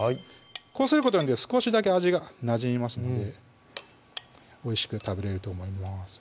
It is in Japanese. こうすることによって少しだけ味がなじみますのでおいしく食べれると思います